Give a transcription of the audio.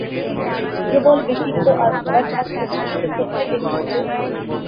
প্রবল ব্যক্তিত্ব আর ভরাট কন্ঠ মানুষকে কোথায় টেনে নিতো?